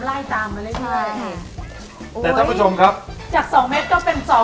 ไล่ตามอะไรได้ไหมใช่แต่ท่านผู้ชมครับจากสองเมตรก็เป็นสอง